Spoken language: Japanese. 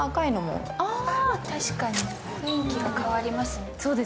雰囲気が変わりますね。